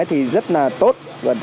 thì rất là tốt